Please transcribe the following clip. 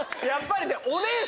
やっぱりね。